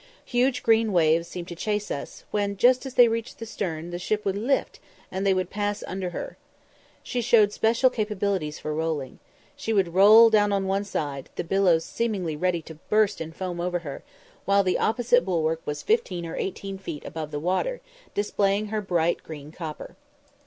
Huge green waves seemed to chase us, when, just as they reached the stern, the ship would lift, and they would pass under her. She showed especial capabilities for rolling. She would roll down on one side, the billows seeming ready to burst in foam over her, while the opposite bulwark was fifteen or eighteen feet above the water, displaying her bright green copper.